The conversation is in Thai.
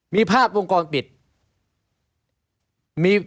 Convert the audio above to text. มีภาพวงจรปิด